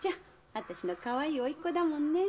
私のかわいい甥っ子だもんね。